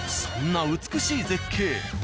そんな美しい絶景。